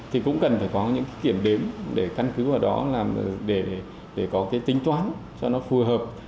thì cũng cần phải có những kiểm đếm để căn cứ vào đó làm để có cái tính toán cho nó phù hợp